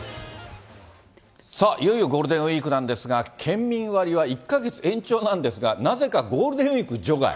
さあ、いよいよゴールデンウィークなんですが、県民割は１か月延長なんですが、なぜかゴールデンウィーク除外。